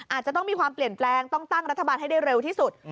อาจจะต้องมีความเปลี่ยนแปลงต้องตั้งรัฐบาลให้ได้เร็วที่สุด